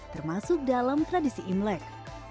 termasuk dalam tradisi imlek